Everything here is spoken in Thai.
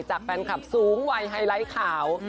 จากแฟนคลับสูงวัยไฮไลท์ขาว